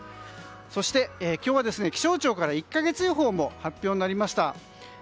そして今日は気象庁から１か月予報も発表になりました。